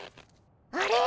あれ？